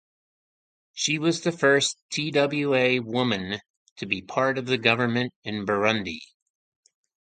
She was the first Twa woman to be part of the Government in Burundi.